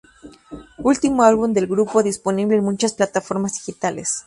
Último álbum del grupo, disponible en muchas plataformas digitales.